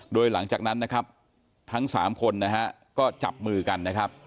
โดยหลังจากนั้นนะครับทั้งสามคนนะฮะก็จับมือกันนะครับ